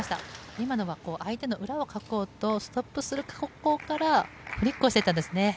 今のは相手の裏をかこうとストップする方向からフリックしていったんですね。